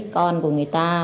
con của người ta